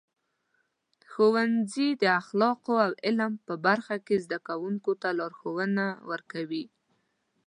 ښوونځي د اخلاقو او علم په برخه کې زده کوونکو ته لارښونه ورکوي.